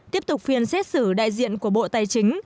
tiếp tục phiên xét xử đại diện của bộ tài chính